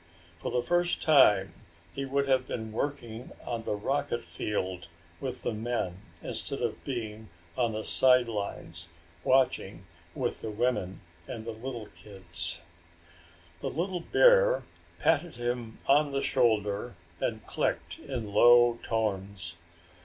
For the first time he would have been working on the rocket field with the men instead of being on the sidelines watching with the women and little kids. The little bear patted him on the shoulder and clicked in low tones.